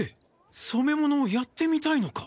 そめ物をやってみたいのか？